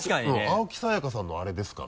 「青木さやかさんのあれですか？」